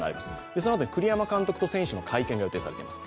そのあとに栗山監督と選手の会見が予定されています。